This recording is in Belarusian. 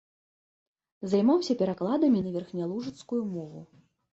Займаўся перакладамі на верхнялужыцкую мову.